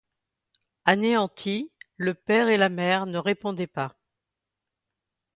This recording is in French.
Anéantis, le père et la mère ne répondaient pas.